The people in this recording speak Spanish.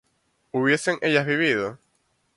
¿hubiesen ellas vivido?